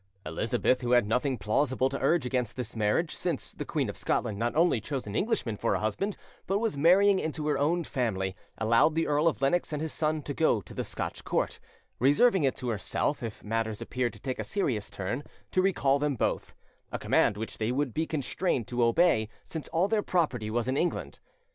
Elizabeth, who had nothing plausible to urge against this marriage, since the Queen of Scotland not only chose an Englishman for husband, but was marrying into her own family, allowed the Earl of Lennox and his son to go to the Scotch court, reserving it to herself, if matters appeared to take a serious turn, to recall them both—a command which they would be constrained to obey, since all their property was in England.